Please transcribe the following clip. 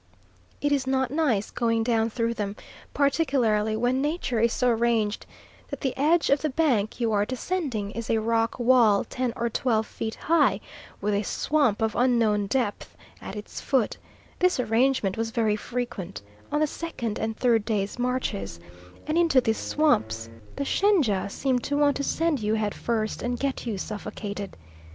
It is not nice going down through them, particularly when Nature is so arranged that the edge of the bank you are descending is a rock wall ten or twelve feet high with a swamp of unknown depth at its foot; this arrangement was very frequent on the second and third day's marches, and into these swamps the shenja seemed to want to send you head first and get you suffocated.